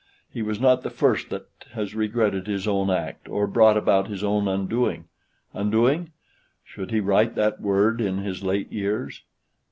He was not the first that has regretted his own act, or brought about his own undoing. Undoing? Should he write that word in his late years?